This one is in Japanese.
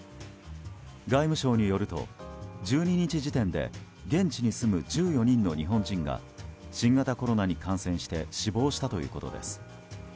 外務省によると１２日時点で現地に住む１４人の日本人が新型コロナに感染して死亡したということです。